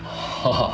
ああ。